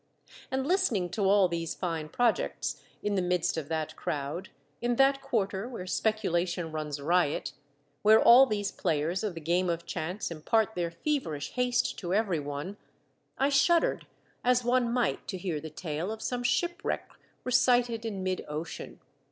And listening to all these fine projects in the midst of that crowd, in that quarter where speculation runs riot, where all these players of the game of chance impart their feverish haste to every one, I shud dered as one might to hear the tale of some ship wreck recited in mid ocean.